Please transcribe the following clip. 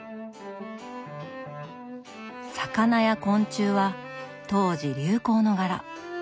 魚や昆虫は当時流行の柄。